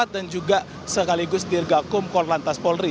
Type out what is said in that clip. dan juga sekaligus dirgakum kol lantas polri